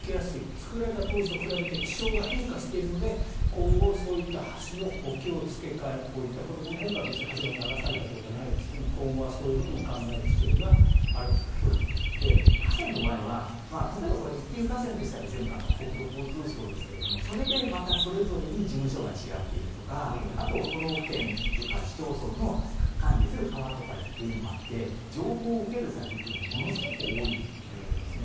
造られた当時と比べて気象が変化しているので今後、そういった橋の補強付け替え、こういったことも今回、橋が流されたということはないですが今後はそういうことを考える必要も河川の場合はこれ、一級河川でしたら国土交通省ですがそれでまたそれぞれに事務所が違っているとかあと、都道府県とか市町村の管理する川っていうのもあって情報を受ける先がものすごく多いんですね。